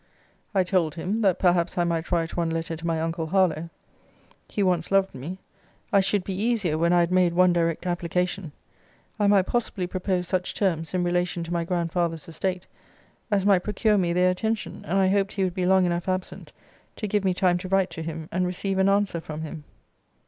I told him, that perhaps I might write one letter to my uncle Harlowe. He once loved me. I should be easier when I had made one direct application. I might possibly propose such terms, in relation to my grandfather's estate, as might procure me their attention; and I hoped he would be long enough absent to give me time to write to him, and receive an answer from him.